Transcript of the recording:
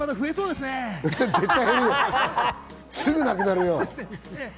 すぐなくなるよ。